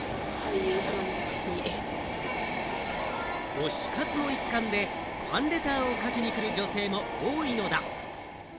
推し活の一環でファンレターを書きに来る女性も多いのだ。